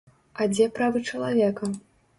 А дзе правы чалавека?